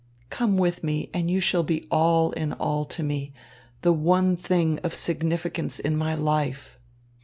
Come with me, and you shall be all in all to me, the one thing of significance in my life."